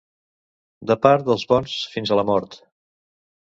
De part dels bons fins a la mort.